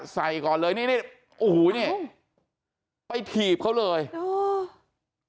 ก่อนเลยนี่นี่โอ้โหนี่ไปถีบเขาเลยเออ